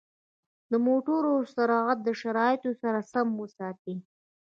د موټرو سرعت د شرایطو سره سم وساتئ.